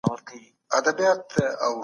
قصاص د ظلم مخه نیسي.